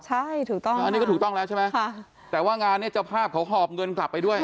ใช่ถูกต้องอันนี้ก็ถูกต้องแล้วใช่ไหมค่ะแต่ว่างานนี้เจ้าภาพเขาหอบเงินกลับไปด้วย